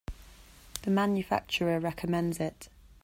The manufacturer recommends it.